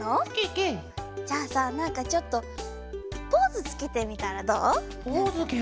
ケケ！じゃあさなんかちょっとポーズつけてみたらどう？